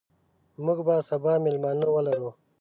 موږ به سبا مېلمانه ولرو.